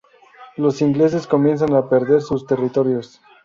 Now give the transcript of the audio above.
Los ingleses comienzan a perder sus territorios.